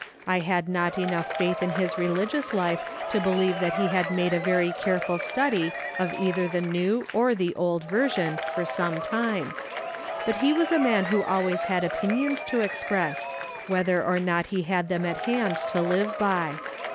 I had not enoufrh faith in his religious life to be lieve that he had made a very careful study of either the new or the old version for some time ; but he was a man who always had opinions to express, whether or not he had them at hand to live by.